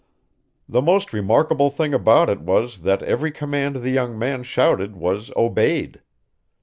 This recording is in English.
The most remarkable thing about it was that every command the young man shouted was obeyed.